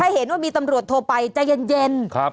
ให้เห็นว่ามีตำรวจโทรไปใจเย็นเย็นครับ